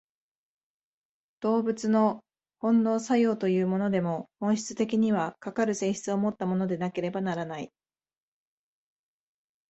動物の本能作用というものでも、本質的には、かかる性質をもったものでなければならない。